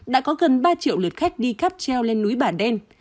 đã có gần ba triệu lượt khách đi cắp treo lên núi bà đen